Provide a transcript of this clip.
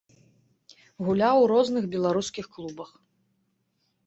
Гуляў у розных беларускіх клубах.